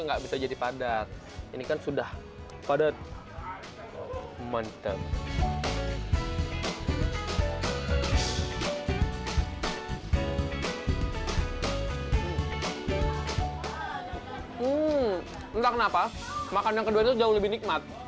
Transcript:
enggak bisa jadi padat ini kan sudah padat entah kenapa makan yang kedua itu jauh lebih nikmat